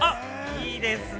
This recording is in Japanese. いいですね。